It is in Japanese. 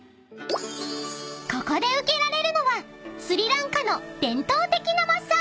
［ここで受けられるのはスリランカの伝統的なマッサージ］